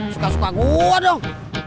suka suka gua dong